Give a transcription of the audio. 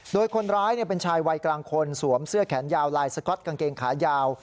โดยคนร้ายเป็นชายวัยกลางคนสวมเสื้อแขนยาวลายสก๊อตกางเกงขายาว